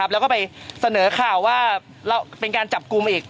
แล้วก็ไปเสนอข่าวว่าเป็นการจับกลุ่มอีก